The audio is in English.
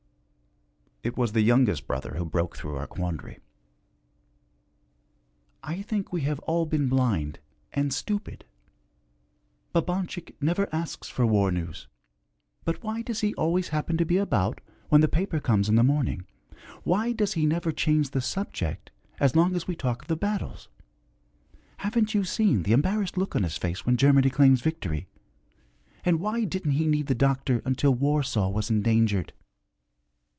It was the youngest brother who broke through our quandary. 'I think we have all been blind and stupid! Babanchik never asks for war news. But why does he always happen to be about when the paper comes in the morning? Why does he never change the subject as long as we talk of the battles? Haven't you seen the embarrassed look on his face when Germany claims victory? And why didn't he need the doctor until Warsaw was endangered?'